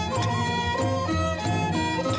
จริง